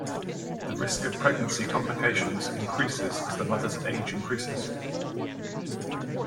The risk of pregnancy complications increases as the mother's age increases.